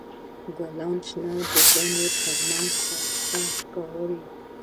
ګلان د شنو ونو تر منځ ښایسته ښکاري.